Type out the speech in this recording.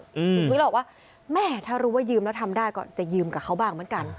คุณวิทย์บอกว่าแม่ถ้ารู้ว่ายืมแล้วทำได้ก็จะยืมกับเขาบ้างเหมือนกัน